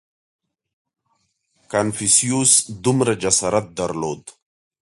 • کنفوسیوس دومره جسارت درلود.